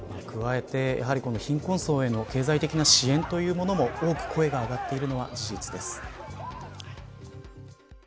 加えて、貧困層への経済的な支援というものも大きく声が上がっているのは事実です。